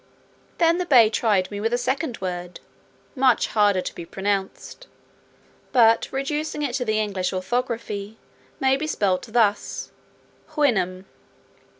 Then the bay tried me with a second word, much harder to be pronounced; but reducing it to the English orthography, may be spelt thus, Houyhnhnm.